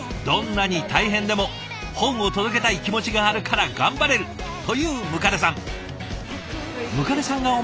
どんなに大変でも本を届けたい気持ちがあるから頑張れるという百足さん。